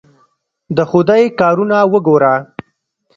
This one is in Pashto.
د خدای کارونه وګوره!